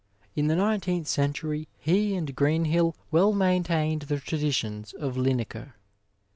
In the nineteenth century he and Greenhill well maintained the traditions of Linacre.